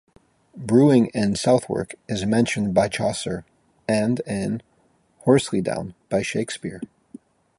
Brewing in Southwark is mentioned by Chaucer, and in Horselydown by Shakespeare.